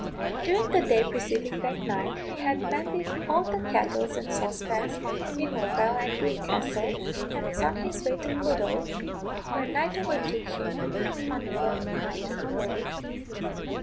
During the day preceding that night, he had mended all the kettles and saucepans in Moville and Greencastle, and was on his way to Culdaff, when night overtook him on a lonely mountain road.